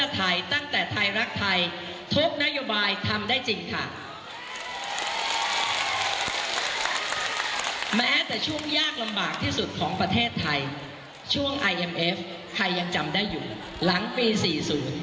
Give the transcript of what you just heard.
ใครยังจำได้อยู่หลังปี๔๐